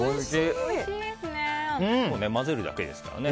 混ぜるだけですからね。